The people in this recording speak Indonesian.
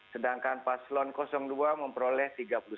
sedangkan paslon dua memperoleh tiga puluh sembilan